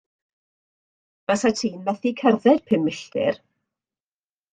Fasat ti'n methu cerdded pum milltir.